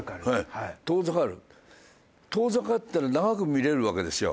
遠ざかったら長く見られるわけですよ。